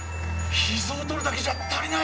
脾臓を取るだけじゃ足りない？